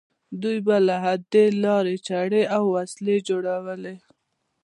دوی به له همدې لارې چړې او وسلې جوړولې.